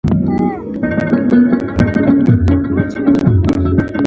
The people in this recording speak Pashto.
ځوانانو راپورته شئ خپله ژبه وژغورئ۔